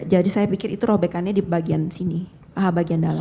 jadi saya pikir itu robekannya di bagian sini bagian dalam